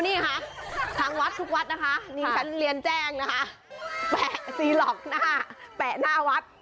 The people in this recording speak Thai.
นี่ฉันเรียนแจ้งนะคะแปะสีหลอกหน้าแปะหน้าวัด